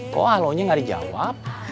kok halo nya gak dijawab